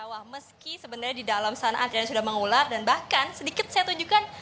wah meski sebenarnya di dalam sana antrian sudah mengular dan bahkan sedikit saya tunjukkan